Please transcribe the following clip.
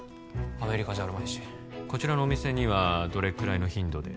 アメリカじゃあるまいしこちらのお店にはどれくらいの頻度で？